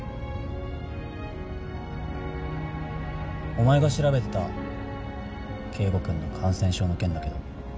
お前が調べてた圭吾君の感染症の件だけど。